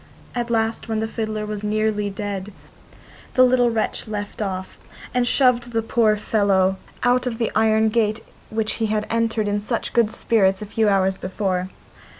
At last, when the fiddler was nearly dead, the little wretch left off, and shoved the poor fellow out of the iron gate which he had entered in such good spirits a few hours before.